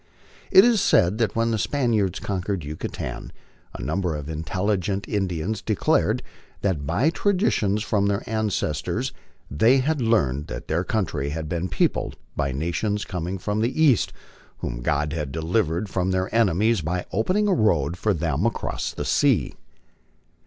It is said that when the Spaniards conquered Yucatan a number of intelligent Indians declared that by traditions from their ancestors they had learned that their country had been peopled by nations coining from the east, whom God had delivered from their enemies by opening a road for them across the sea.